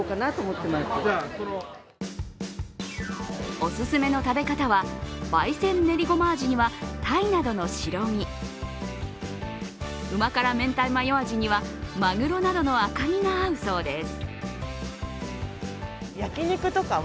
おすすめの食べ方は、焙煎ねりゴマ味には、たいなどの白身、うま辛明太マヨ味には、まぐろなどの赤身が合うそうです。